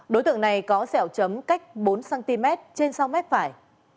đối tượng này có sẹo chấm cách bốn cm trên sau mép phải